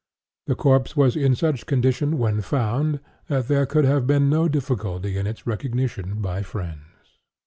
The corpse was in such condition when found, that there could have been no difficulty in its recognition by friends.